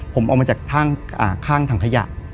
ผมออกมาจากข้างถังขยะ